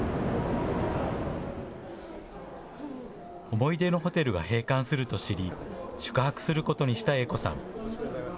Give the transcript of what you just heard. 思い出のホテルが閉館すると知り、宿泊することにした栄子さん。